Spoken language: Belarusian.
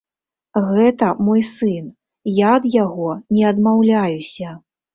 Гэта мой сын, я ад яго не адмаўляюся.